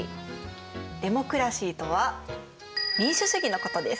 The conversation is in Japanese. デモクラシーとは「民主主義」のことです。